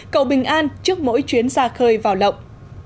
cầu bình an trước mỗi chuyến ra khơi vào lộng